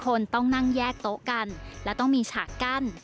คนต้องนั่งแยกโต๊ะกันและต้องมีฉากกั้น